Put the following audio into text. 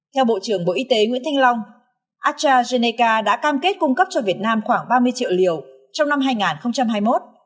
theo bộ trưởng bộ y tế nguyễn thanh long astrazeneca đã cam kết cung cấp cho việt nam khoảng ba mươi triệu liều trong năm hai nghìn hai mươi một